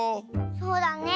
そうだね。